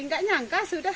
nggak nyangka sudah